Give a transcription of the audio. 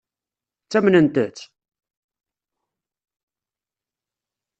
Ttamnent-tt?